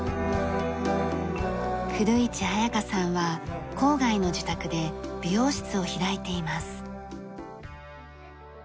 古市彩夏さんは郊外の自宅で美容室を開いています。